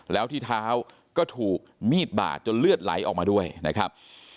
แล้วที่เท้าก็ถูกมีดบาดจนเลือดไหลออกมาด้วยนะครับ